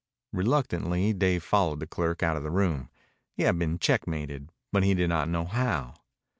Reluctantly Dave followed the clerk out of the room. He had been checkmated, but he did not know how.